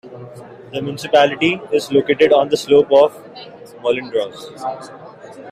The municipality is located on the slope of the Mollendruz.